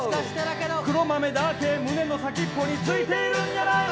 黒豆だけ先っぽについているんじゃないの！